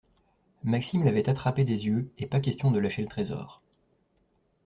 Maxime l’avait attrapée des yeux et pas question de lâcher le trésor.